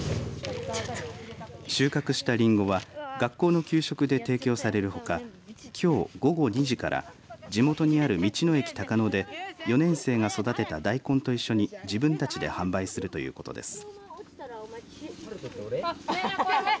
収穫したりんごは学校の給食で提供されるほかきょう午後２時から地元にある道の駅たかので４年生が育てた大根と一緒に自分たちで販売するということです。